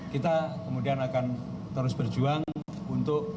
kita kemudian akan terus berjuang untuk